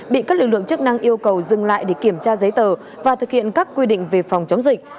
bị các lực lượng chức năng yêu cầu dừng lại để kiểm tra giấy tờ và thực hiện các quy định về phòng chống dịch